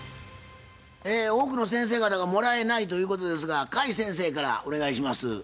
多くの先生方が「もらえない」ということですが甲斐先生からお願いします。